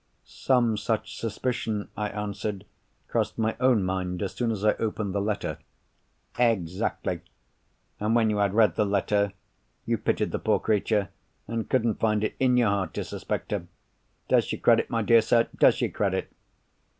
"Some such suspicion," I answered, "crossed my own mind, as soon as I opened the letter." "Exactly! And when you had read the letter, you pitied the poor creature, and couldn't find it in your heart to suspect her. Does you credit, my dear sir—does you credit!"